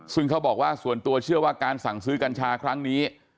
ซึ่งเขาบอกว่าส่วนตัวเชื่อว่าการสั่งซื้อกัญชาครั้งนี้